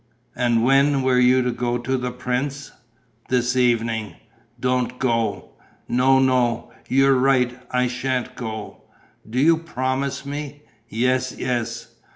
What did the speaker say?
"And when were you to go to the prince?" "This evening." "Don't go." "No, no, you're right, I sha'n't go." "Do you promise me?" "Yes, yes."